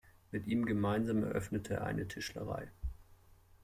Mit ihm gemeinsam eröffnete er eine Tischlerei.